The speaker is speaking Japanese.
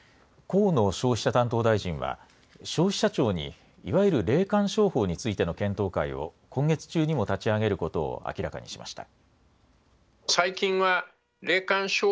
河野消費者担当大臣は、消費者庁にいわゆる霊感商法についての検討会を今月中にも立ち上げることを明らかにしました。